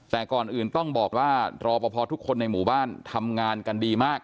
แต่ก่อนอื่นต้องบอกว่ารอปภทุกคนในหมู่บ้านทำงานกันดีมาก